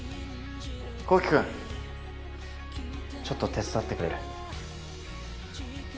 紘希君ちょっと手伝ってくれる？